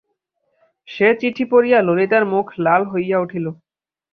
সে চিঠি পড়িয়া ললিতার মুখ লাল হইয়া উঠিল।